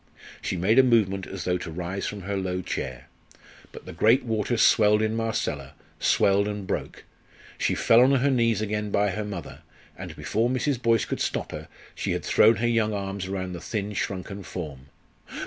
She made a movement as though to rise from her low chair. But the great waters swelled in Marcella swelled and broke. She fell on her knees again by her mother, and before Mrs. Boyce could stop her she had thrown her young arms close round the thin, shrunken form.